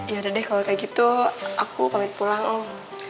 yaudah deh kalo kayak gitu aku pamit pulang om